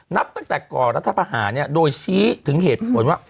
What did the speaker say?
นับตั้งแต่ก่อรัฐประหารโดยชี้ถึงเหตุผลว่า